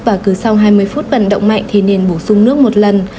và cứ sau hai mươi phút vận động mạnh thì nên bổ sung nước một lần